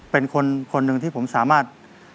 เป็นคนหนึ่งที่ผมสามารถ